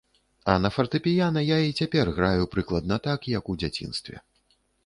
А на фартэпіяна я і цяпер граю прыкладна так, як у дзяцінстве.